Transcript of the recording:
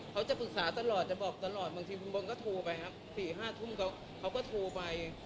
เขาจะปรึกษาตลอดจะบอกตลอดบางทีคุณบนก็โทรไปครับ๔๕ทุ่มเขาก็โทรไป